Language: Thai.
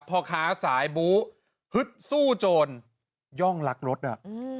พ่อค้าสายบู๊ฮึดสู้โจรย่องลักรถอ่ะ